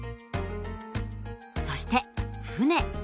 そして船。